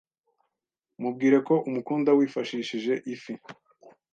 Mubwire ko umukunda wifashishije ifi